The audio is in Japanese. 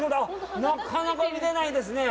なかなか見られないですね。